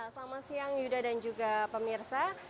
selamat siang yuda dan juga pemirsa